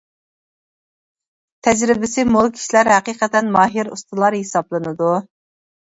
تەجرىبىسى مول كىشىلەر ھەقىقەتەن ماھىر ئۇستىلار ھېسابلىنىدۇ.